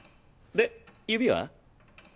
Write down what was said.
で指は？